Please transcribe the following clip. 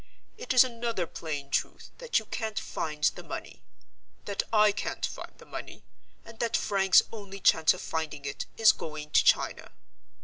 It is another plain truth that you can't find the money; that I can't find the money; and that Frank's only chance of finding it, is going to China.